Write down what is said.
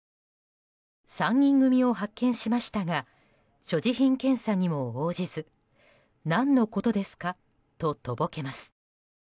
３人組を発見しましたが所持品検査にも応じず何のことですか？ととぼけます。